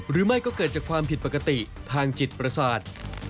หรือไม่ก็เกิดจากความผิดปกติทางจิตประสาท